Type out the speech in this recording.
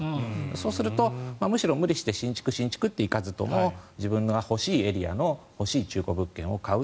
そうすると、むしろ無理して新築って行かなくとも自分の欲しいエリアの欲しい中古物件を買う。